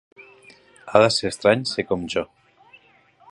Ha de ser estrany ser com Jo!